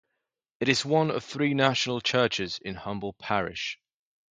It is one of three national churches in Humble Parish.